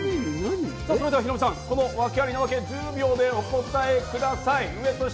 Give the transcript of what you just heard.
ヒロミさん、ワケありのワケ、１０秒でお答えください。